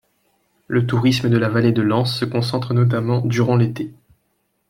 Le tourisme de la vallée de l'Ance se concentre notamment durant l'été.